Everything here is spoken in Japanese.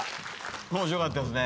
面白かったですね。